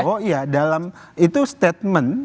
pak prabowo itu statement